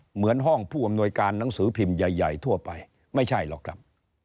เหมือนห้องผู้อำนวยการหนังสือพิมพ์ใหญ่ทั่วไปไม่ใช่หรอกครับ